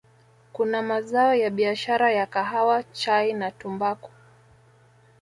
kuna mazao ya biashara ya Kahawa Chai na Tumbaku